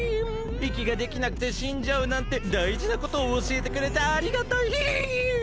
いきができなくてしんじゃうなんてだいじなことをおしえてくれてありがたいヒン！